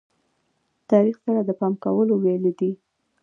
تاریخ سره د پام کولو ویلې دي.